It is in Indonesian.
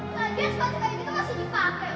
nah dia sepatu kayak gitu masih dipakai